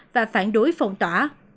và phản đối phòng tỏa